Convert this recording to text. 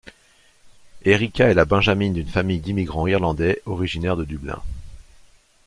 Erica est la benjamine d'une famille d'immigrant irlandais originaire de Dublin.